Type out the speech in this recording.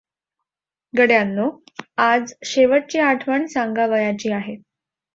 "गड्यांनो! आज शेवटची आठवण सांगावयाची आहे.